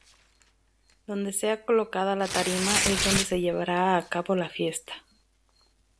Donde sea colocada la tarima es donde se llevará a cabo la fiesta.